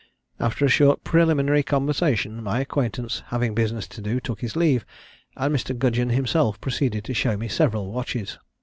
After a short preliminary conversation, my acquaintance, having business to do, took his leave, and Mr. Gudgeon himself proceeded to show me several watches.